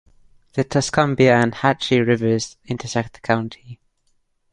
The Tuscumbia and Hatchie rivers intersect the county.